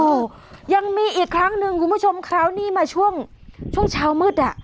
โอ้โหยังมีอีกครั้งหนึ่งคุณผู้ชมคราวนี้มาช่วงช่วงเช้ามืดอ่ะ